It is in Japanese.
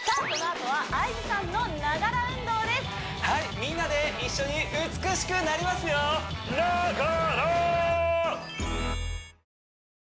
みんなで一緒に美しくなりますよながら！